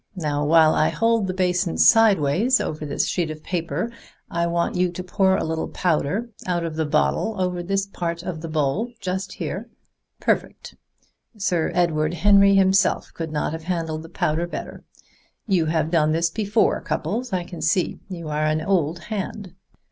Now while I hold the basin side ways over this sheet of paper, I want you to pour a little powder out of the bottle over this part of the bowl just here.... Perfect! Sir Edward Henry himself could not have handled the powder better. You have done this before, Cupples, I can see. You are an old hand."